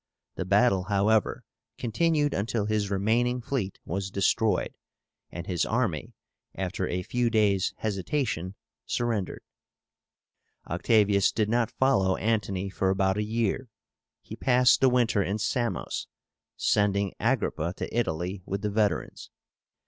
The battle, however, continued until his remaining fleet was destroyed, and his army, after a few days' hesitation, surrendered. Octavius did not follow Antony for about a year. He passed the winter in Samos, sending Agrippa to Italy with the veterans.